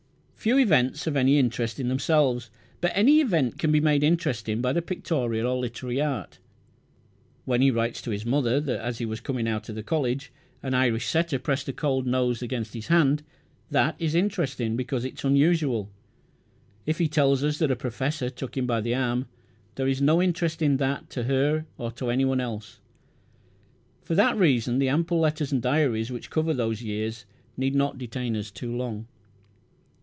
Few events have any interest in themselves, but any event can be made interesting by the pictorial or literary art. When he writes to his mother, that, as he was coming out of the college, an Irish setter pressed a cold nose against his hand, that is interesting because it is unusual. If he tells us that a professor took him by the arm, there is no interest in that to her or to any one else. For that reason the ample letters and diaries which cover these years need not detain us long.